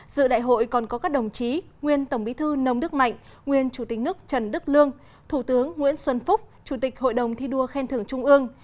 dự đại hội còn có các đồng chí nguyên tổng bí thư nông đức mạnh nguyên chủ tịch nước trần đức lương thủ tướng nguyễn xuân phúc chủ tịch hội đồng thi đua khen thưởng trung ương